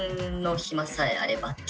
暇さえあれば。